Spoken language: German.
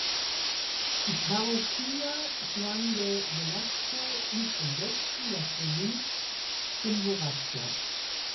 Die Parroquia Juan de Velasco liegt im Westen der Provinz Chimborazo.